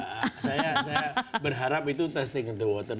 saya berharap itu testing the water